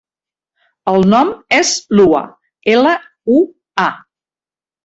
El nom és Lua: ela, u, a.